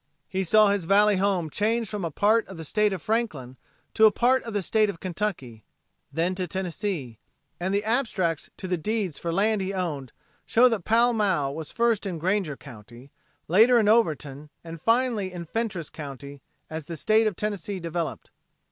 He saw his valley home changed from a part of the State of Franklin to a part of the State of Kentucky, then to Tennessee, and the abstracts to the deeds for land he owned show that Pall Mall was first in Granger county, later in Overton and finally in Fentress county as the State of Tennessee developed.